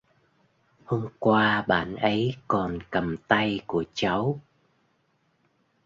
hôm qua bạn ấy còn cầm tay của cháu